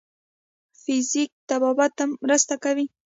فزیک طبابت ته مرسته کوي.